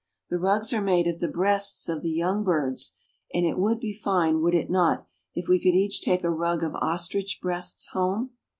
The rugs are made of the breasts of the young birds, and it would be fine, would it not, if we could each take a rug of ostrich breasts home?